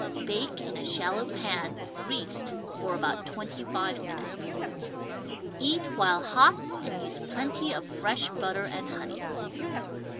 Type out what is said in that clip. Bake in a shallow pan (greased) for about twenty five minutes. Eat while hot and use plenty of fresh butter and honey.